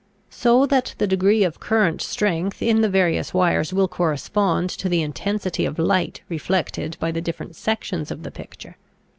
So that the degree of current strength in the various wires will correspond to the intensity of light reflected by the different sections of the picture.